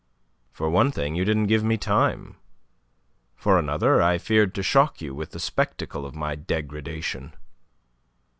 "For one thing, you didn't give me time; for another, I feared to shock you with the spectacle of my degradation."